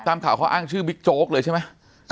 ตามข่าวเขาอ้างชื่อบิ๊กโจ๊กเลยใช่ไหม